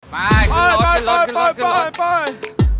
ฟายขึ้นรถฟายฟายฟายฟาย